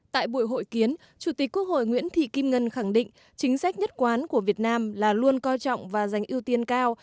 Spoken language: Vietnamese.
tại buổi hội kiến chủ tịch quốc hội nguyễn thị kim ngân khẳng định chính sách nhất quán của việt nam là luôn coi trọng và giành ưu tiên cao